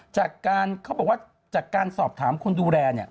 เขาบอกว่าจากการสอบถามคนดูแลเนี่ย